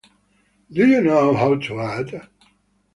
Do you know how to add?